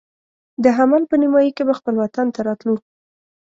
د حمل په نیمایي کې به خپل وطن ته راتلو.